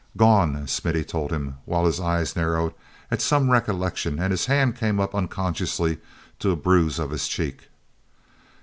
"Gone!" Smith told him, while his eyes narrowed at some recollection and his hand came up unconsciously to a bruise of his cheek.